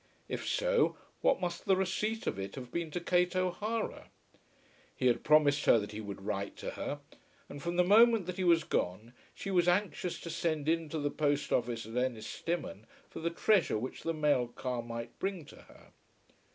If so, what must the receipt of it have been to Kate O'Hara! He had promised her that he would write to her, and from the moment that he was gone she was anxious to send in to the post office at Ennistimon for the treasure which the mail car might bring to her.